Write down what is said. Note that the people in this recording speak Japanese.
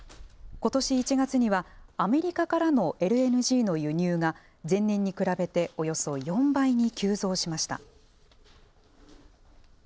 ことし１月にはアメリカからのＬＮＧの輸入が前年に比べておよそ４倍に急増しました。